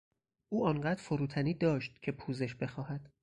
او آنقدر فروتنی داشت که پوزش بخواهد.